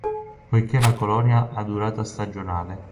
Poiché la colonia ha durata stagionale.